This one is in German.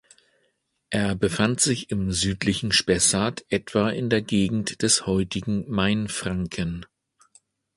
Er befand sich im südlichen Spessart etwa in der Gegend des heutigen Mainfranken.